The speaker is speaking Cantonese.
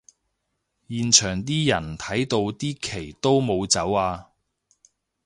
現場啲人睇到啲旗都冇走吖